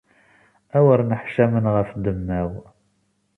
Awer nneḥcamen ɣef ddemma-w.